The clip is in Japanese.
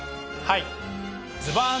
はい。